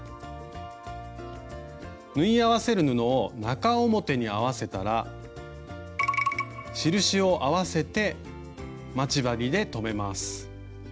縫い合わせる布を中表に合わせたら印を合わせて待ち針で留めます。